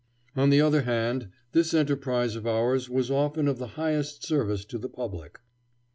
On the other hand, this enterprise of ours was often of the highest service to the public.